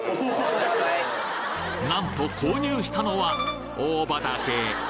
なんと購入したのは大葉だけ！？